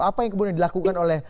apa yang kemudian dilakukan oleh